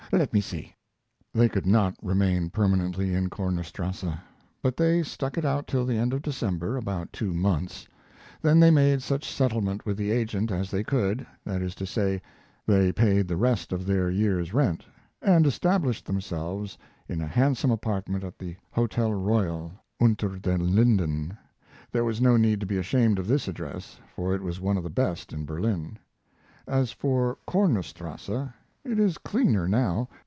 Let me see " They could not remain permanently in Komerstrasse, but they stuck it out till the end of December about two months. Then they made such settlement with the agent as they could that is to say, they paid the rest of their year's rent and established themselves in a handsome apartment at the Hotel Royal, Unter den Linden. There was no need to be ashamed of this address, for it was one of the best in Berlin. As for Komerstrasse, it is cleaner now.